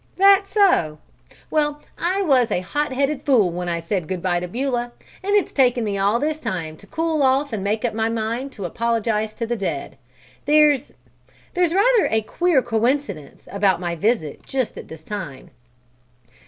"That so? Well, I was a hot headed fool when I said good bye to Beulah, and it's taken me all this time to cool off and make up my mind to apologize to the dad. There's there's rather a queer coincidence about my visit just at this time."